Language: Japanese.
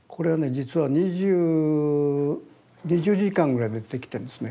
実は２０２０時間ぐらいで出来てるんですね。